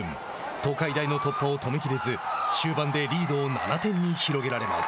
東海大の突破を止めきれず終盤でリードを７点に広げられます。